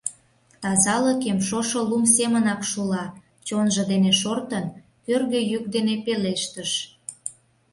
«Тазалыкем шошо лум семынак шула», — чонжо дене шортын, кӧргӧ йӱк дене пелештыш.